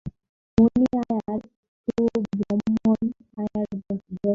মণি আয়ার সুব্রহ্মণ্য আয়ার দ্রষ্টব্য।